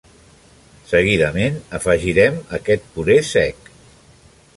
Seguidament, afegirem a aquest puré sec.